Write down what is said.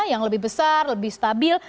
yang lebih besar lebih stabil